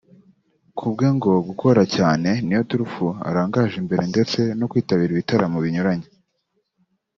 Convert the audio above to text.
Kubwe ngo gukora cyane niyo turufu arangaje imbere ndetse no kwitabira ibitaramo binyuranye